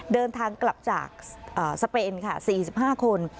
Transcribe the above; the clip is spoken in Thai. เดินทางกลับจากสเปนค่ะ๔๕คน